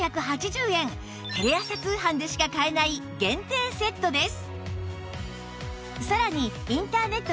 テレ朝通販でしか買えない限定セットです